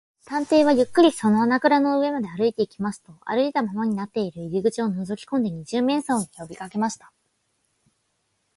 探偵はゆっくりその穴ぐらの上まで歩いていきますと、あいたままになっている入り口をのぞきこんで、二十面相によびかけました。